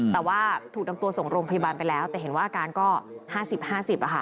แต่ว่าถูกนำตัวส่งโรงพยาบาลไปแล้วแต่เห็นว่าอาการก็๕๐๕๐ค่ะ